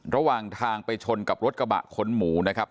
ระหว่างทางไปชนกับรถกระบะขนหมูนะครับ